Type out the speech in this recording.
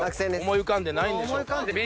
思い浮かんでないんでしょうか。